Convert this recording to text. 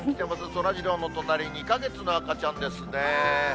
そらジローの隣に、２か月の赤ちゃんですね。